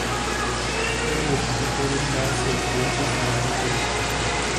Es uno de los compositores más sobresalientes y dinámicos de su generación.